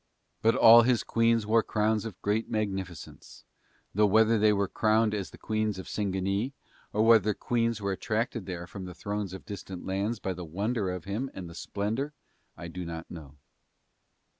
But all his queens wore crowns of great magnificence, though whether they were crowned as the queens of Singanee or whether queens were attracted there from the thrones of distant lands by the wonder of him and the splendour I did not know.